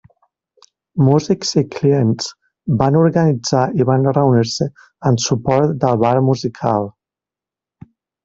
Músics i clients van organitzar i van reunir-se en suport del bar musical.